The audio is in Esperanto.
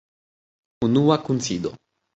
Unua Kunsido.